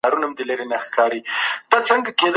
موږ ډیر کله په خپلو ټاکنو پښیمانه کیږو.